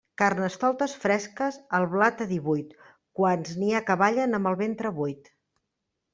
Carnestoltes fresques, el blat a divuit, quants n'hi ha que ballen amb el ventre buit.